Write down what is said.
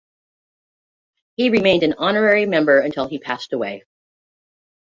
He remained an Honorary Member until he passed away.